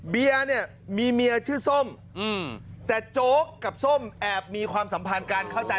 เบียร์เนี่ยมีเมียชื่อส้มแต่โจ๊กกับส้มแอบมีความสัมพันธ์การเข้าใจ